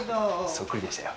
そっくりでしたよ。